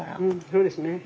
そうですね。